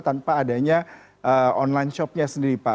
tanpa adanya online shopnya sendiri pak